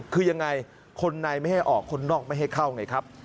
คือยังไงคนในไม่ให้ออกคนนอกไม่ให้เข้าไงครับ